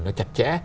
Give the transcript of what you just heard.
nó chặt chẽ